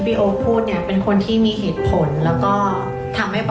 แล้วพยได้แต่งงานกับพี่โอ้คเนี่ยพยใจเยอะมาก